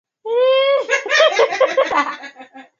ambayo ni kweli nyepesi zaidi kuliko inaonekana